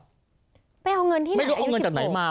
ไปเอาเงินที่ไหนไม่รู้เอาเงินจากไหนมา